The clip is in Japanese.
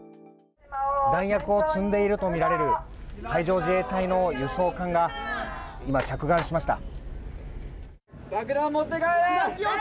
弾薬を積んでいるとみられる海上自衛隊の輸送艦が今、着岸しました。